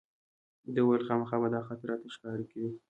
ده وویل خامخا به دا خط راته ښکاره کوې.